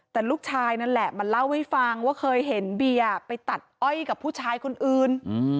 แต่ลูกชายนั่นแหละมาเล่าให้ฟังว่าเคยเห็นเบียร์ไปตัดอ้อยกับผู้ชายคนอื่น